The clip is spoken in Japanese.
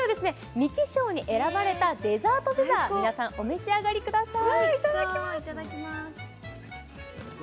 ミキ賞に選ばれたデザートピザ皆さんお召し上がりください。